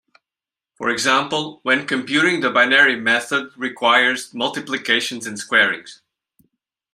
For example, when computing the binary method requires multiplications and squarings.